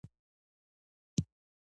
ساختمانونه باید مسلکي ډيزاين شي.